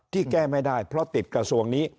ที่แก้ไม่ได้เพราะติดกระทรวงนี้